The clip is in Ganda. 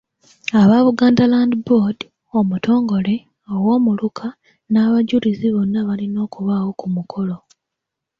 Aba Buganda Land Board, omutongole, ow’omuluka n’abajulizi bonna balina okubaawo ku mukolo.